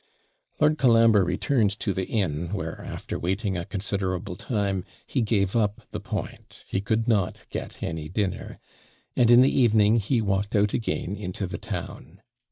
Lord Colambre returned to the inn, where, after waiting a considerable time, he gave up the point he could not get any dinner and in the evening he walked out again into the town.